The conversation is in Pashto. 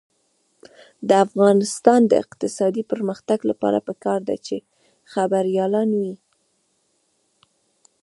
د افغانستان د اقتصادي پرمختګ لپاره پکار ده چې خبریالان وي.